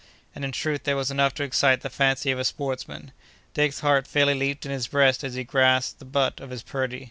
And, in truth, there was enough to excite the fancy of a sportsman. Dick's heart fairly leaped in his breast as he grasped the butt of his Purdy.